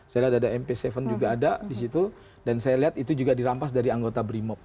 saya lihat ada mp tujuh juga ada di situ dan saya lihat itu juga dirampas dari anggota brimop